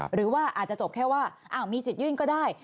หรือว่าอาจจะจบแค่ว่ามีสิทธิยื่นก็ได้